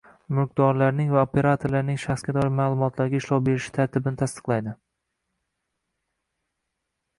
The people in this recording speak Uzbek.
Mulkdorning va operatorning shaxsga doir ma’lumotlarga ishlov berilishi tartibini tasdiqlaydi.